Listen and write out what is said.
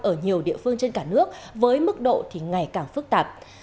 ở nhiều địa phương trên cả nước với mức độ thì ngày càng phức tạp